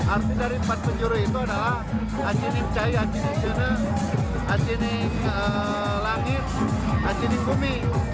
arti dari empat penjuru itu adalah angini cahaya angini suna angini langit angini bumi